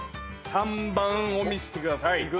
３番を見せてください。